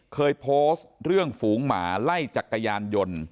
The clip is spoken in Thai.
เคยโพสต์เรื่องฝูงหมาไล่จักรยานยนต์